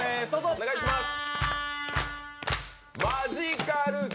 お願いします！